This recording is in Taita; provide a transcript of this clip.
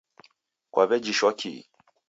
Kwaw'ejishwa kii?